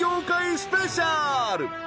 スペシャル！